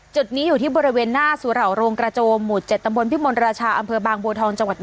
จุดนี้อยู่ที่บริเวณหน้าสุหร่าวรงกระโจมหมู่เจ็ด